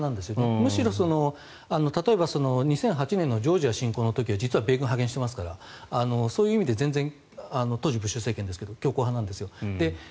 むしろ例えば２００８年のジョージア侵攻の時には実は米軍を派遣してますからそういう意味では当時はブッシュですが強硬派なんです。